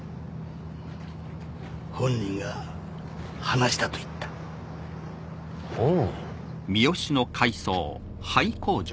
「本人が話した」と言った本人？